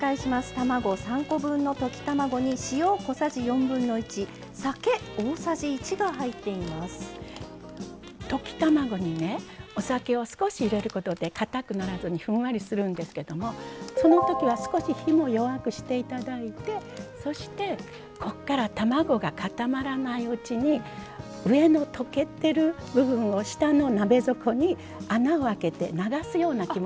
卵３コ分の溶き卵に溶き卵にねお酒を少し入れることでかたくならずにふんわりするんですけどもその時は少し火も弱くして頂いてそしてこっから卵が固まらないうちに上の溶けてる部分を下の鍋底に穴を開けて流すような気持ちで。